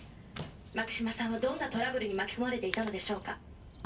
「牧島さんはどんなトラブルに巻き込まれていたのでしょうか」